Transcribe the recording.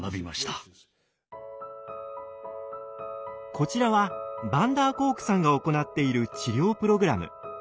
こちらはヴァンダーコークさんが行っている治療プログラム。